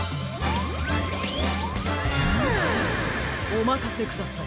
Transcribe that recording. おまかせください